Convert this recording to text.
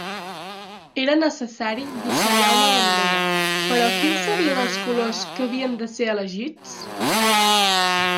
Era necessari dissenyar una bandera, però quins serien els colors que havien de ser elegits?